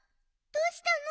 どうしたの？